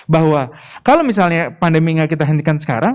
bahwa kalau misalnya pandemi nggak kita hentikan sekarang